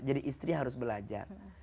jadi istri harus belajar